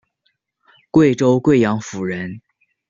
贵州贵阳府人。